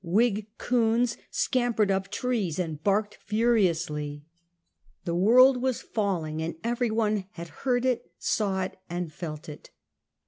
Whig coons scampered up trees and barked furiously. The world was falling and every one had " heard it, saw it, and felt it."